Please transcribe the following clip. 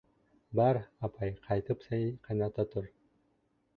Бар, апай, ҡайтып сәй ҡайната тор.